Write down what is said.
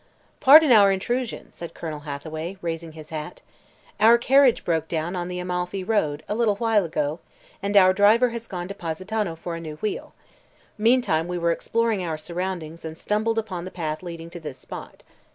"Pardon our intrusion," said Colonel Hathaway, raising his hat. "Our carriage broke down on the Amalfi road, a little while ago, and our driver has gone to Positano for a new wheel. Meantime we were exploring our surroundings and stumbled upon the path leading to this spot.